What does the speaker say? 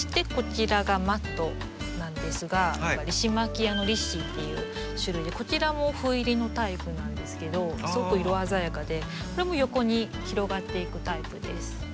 リシマキアのリッシーっていう種類でこちらもふ入りのタイプなんですけどすごく色鮮やかでこれも横に広がっていくタイプです。